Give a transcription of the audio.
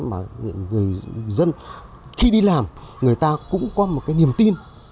mà người dân khi đi làm người ta cũng có một cái niềm tin